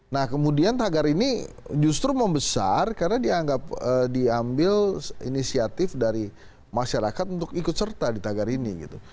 nah kemudian tagar ini justru membesar karena diambil inisiatif dari masyarakat untuk ikut serta di tagar ini gitu